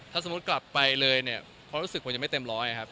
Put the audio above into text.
ถ้าสมมุติกลับไปเลยเนี่ยความรู้สึกผมยังไม่เต็มร้อยครับ